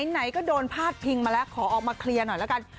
ไหนก็โดนพาดพิงมาแล้วขอออกมาเคลียร์หน่อยแล้วกัน